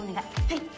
はい。